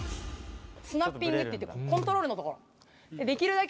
スナッピングっていって、コントロールのところ、できるだけ